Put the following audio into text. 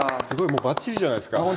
すごいもうバッチリじゃないですか。